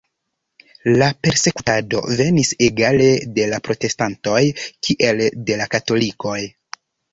La persekutado venis egale de la protestantoj, kiel de la katolikoj.